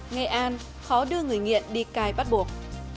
nghệ an khó đưa người nghiện đi cai bắt buộc